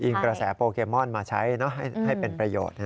กระแสโปเกมอนมาใช้ให้เป็นประโยชน์